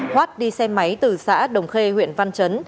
hoát đi xe máy từ xã đồng khê huyện văn trấn